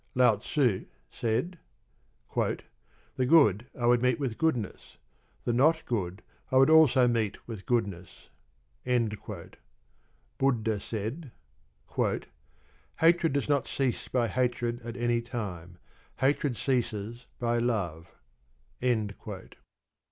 Lao tze said: "The good I would meet with goodness, the not good I would also meet with goodness." Buddha said: "Hatred does not cease by hatred at any time: hatred ceases by love."